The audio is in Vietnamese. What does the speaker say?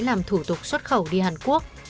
làm thủ tục xuất khẩu đi hàn quốc